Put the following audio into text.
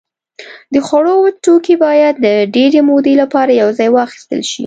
د خوړو وچ توکي باید د ډېرې مودې لپاره یوځای واخیستل شي.